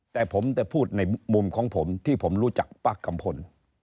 แต่ผมจะพูดในมุมของผมที่ผมรู้จักป้ากัมพล